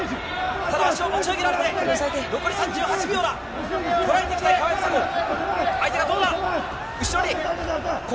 ただ足を持ち上げられて、残り３８秒だ、こらえていきたい、川井梨紗子。